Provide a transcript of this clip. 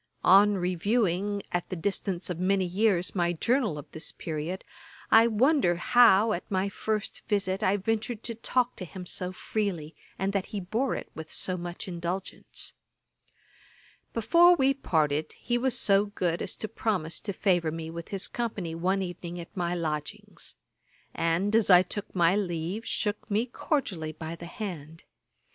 On reviewing, at the distance of many years, my journal of this period, I wonder how, at my first visit, I ventured to talk to him so freely, and that he bore it with so much indulgence. [Page 399: Johnson the horse rider. Ætat 54.] Before we parted, he was so good as to promise to favour me with his company one evening at my lodgings; and, as I took my leave, shook me cordially by the hand.